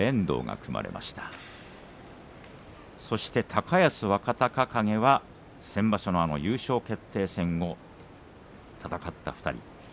高安、若隆景は先場所の優勝決定戦を戦った２人。